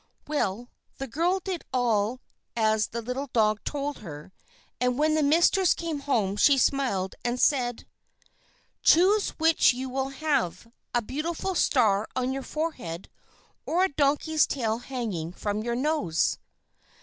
Well, the girl did all as the little dog told her, and when the mistress came home she smiled and said: "Choose which you will have, a beautiful star on your forehead, or a donkey's tail hanging from your nose."